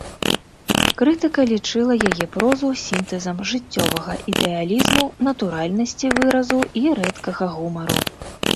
Крытыка лічыла яе прозу сінтэзам жыццёвага ідэалізму, натуральнасці выразу і рэдкага гумару.